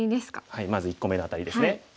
はいまず１個目のアタリですね。